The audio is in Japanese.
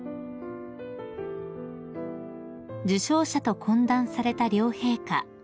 ［受賞者と懇談された両陛下］